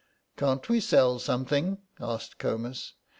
"Can't we sell something?" asked Comus.